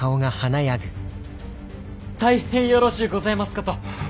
大変よろしゅうございますかと！